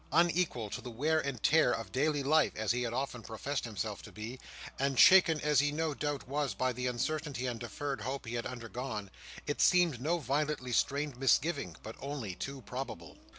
Unequal to the wear and tear of daily life, as he had often professed himself to be, and shaken as he no doubt was by the uncertainty and deferred hope he had undergone, it seemed no violently strained misgiving, but only too probable.